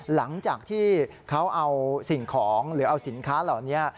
หลังจากที่เขาเอาสิ่งของหรือเอาสินค้าเหล่านี้